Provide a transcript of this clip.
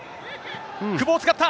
久保を使った。